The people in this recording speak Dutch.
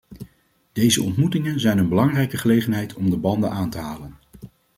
Deze ontmoetingen zijn een belangrijke gelegenheid om de banden aan te halen.